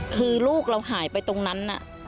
คือลูกเราหายไปตรงนั้น